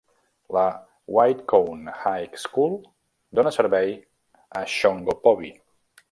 La White Cone High School dóna servei a Shongopovi.